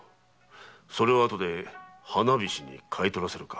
それを後で花菱に買い取らせるか。